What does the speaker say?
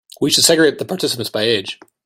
We should segregate the participants by age.